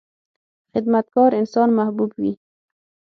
• خدمتګار انسان محبوب وي.